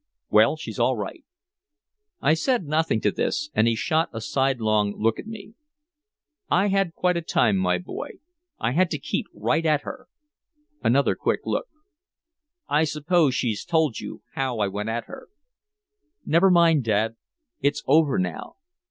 "Well, she's all right." I said nothing to this, and he shot a sidelong look at me: "I had quite a time, my boy I had to keep right at her." Another quick look. "I suppose she's told you how I went at her." "Never mind, Dad, it's over now."